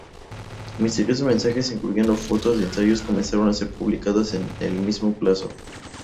Misteriosos mensajes incluyendo fotos de ensayos comenzaron a ser publicadas en el mismo plazo.